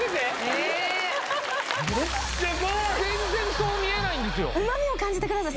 えっ全然そう見えないんですよ